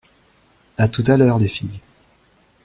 À tout à l’heure, les filles...